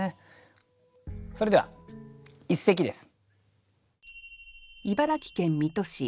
それでは一席です。